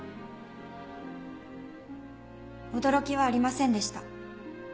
驚きはありませんでした。